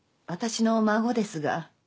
私の孫ですが。